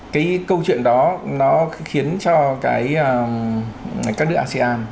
cái câu chuyện đó khiến cho các nước asean